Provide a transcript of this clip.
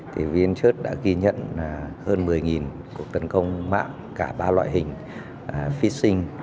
thì vncert đã ghi nhận hơn một mươi cuộc tấn công mạng cả ba loại hình phí sinh